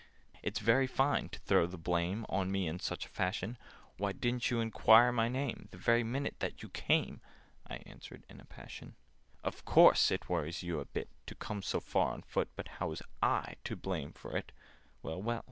"It's very fine to throw the blame On me in such a fashion! Why didn't you enquire my name The very minute that you came?" I answered in a passion. "Of course it worries you a bit To come so far on foot— But how was I to blame for it?" "Well, well!"